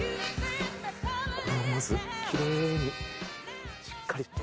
これをまずきれいにしっかり。